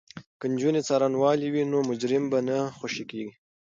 که نجونې څارنوالې وي نو مجرم به نه خوشې کیږي.